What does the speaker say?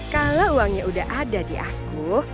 kalau uangnya udah ada di aku